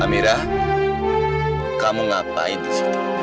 amirah kamu ngapain di situ